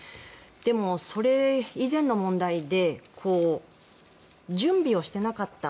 でも、それ以前の問題で準備をしていなかった。